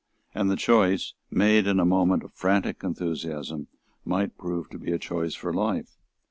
And the choice, made in a moment of frantic enthusiasm, might prove to be a choice for life.